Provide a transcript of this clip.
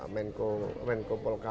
menko polkam dan menteri hukum dan ham